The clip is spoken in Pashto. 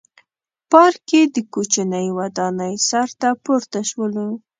پارک کې د کوچنۍ ودانۍ سر ته پورته شولو.